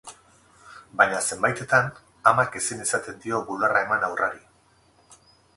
Baina zenbaitetan amak ezin izaten dio bularra eman haurrari.